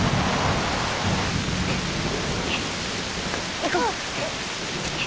行こう。